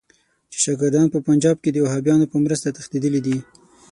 چې شاګردان په پنجاب کې د وهابیانو په مرسته تښتېدلي دي.